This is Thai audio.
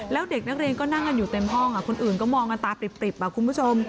แล้วเด็กนักเรียนก็นั่งกันอยู่เต็มห้องคนอื่นก็มองกันตาปริบคุณผู้ชม